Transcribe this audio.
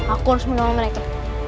aku harus menemukan mereka